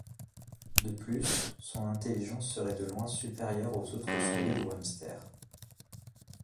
De plus, son intelligence serait de loin supérieure aux autres souris ou hamsters.